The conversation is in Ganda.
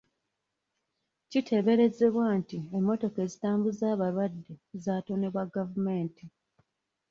Kiteeberezebwa nti emmotoka ezitambuza abalwadde zatonebwa gavumenti.